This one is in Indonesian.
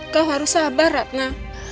kau harus sabar ratna